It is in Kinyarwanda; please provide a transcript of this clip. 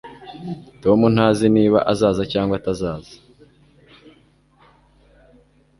Tom ntazi niba azaza cyangwa atazaza